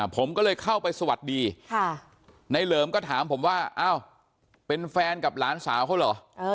ผมก็เลยเข้าไปสวัสดีในเหลิมก็ถามผมว่าอ้าวเป็นแฟนกับหลานสาวเขาเหรอ